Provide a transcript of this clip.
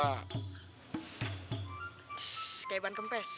kayak ban kempes